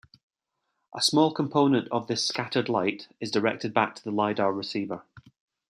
A small component of this scattered light is directed back to the lidar receiver.